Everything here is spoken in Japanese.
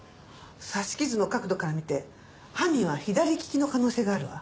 刺し傷の角度から見て犯人は左利きの可能性があるわ。